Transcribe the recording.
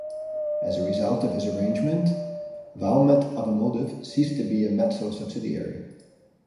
As a result of this arrangement, Valmet Automotive ceased to be a Metso subsidiary.